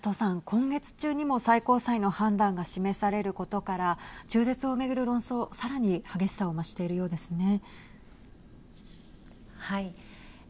今月中にも最高裁の判断が示されることから中絶を巡る論争さらに激しさを増しているようですね。